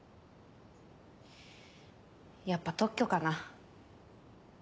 やっぱ特許かな。